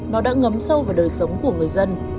nó đã ngấm sâu vào đời sống của người dân